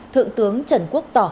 thượng tướng trần quốc tỏ